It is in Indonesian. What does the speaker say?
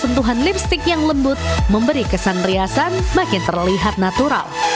sentuhan lipstick yang lembut memberi kesan riasan makin terlihat natural